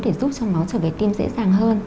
để giúp cho nó trở về tim dễ dàng hơn